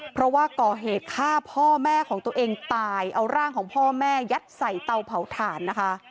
เพราะว่าก่อเหตุฆ่าพ่อแม่ของตัวเองตายเอาร่างของพ่อแม่ยัดใส่เตาเผาถ่านนะคะ